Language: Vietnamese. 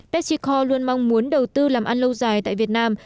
pepsico luôn mong muốn đầu tư làm ăn lâu dài tại việt nam